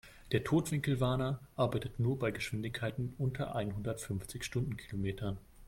Der Totwinkelwarner arbeitet nur bei Geschwindigkeiten unter einhundertfünfzig Stundenkilometern.